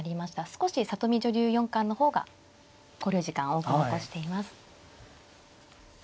少し里見女流四冠の方が考慮時間多く残しています。